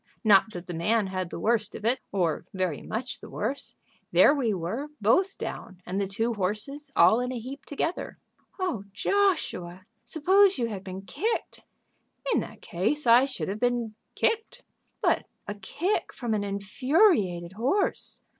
Not that the man had the worst of it, or very much the worse. There we were both down, and the two horses, all in a heap together." "Oh, Joshua, suppose you had been kicked!" "In that case I should have been kicked." "But a kick from an infuriated horse!"